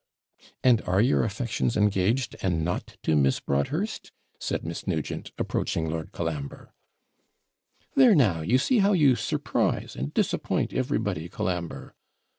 'And are your affections engaged, and not to Miss Broadhurst?' said Miss Nugent, approaching Lord Colambre. 'There now! you see how you surprise and disappoint everybody, Colambre.'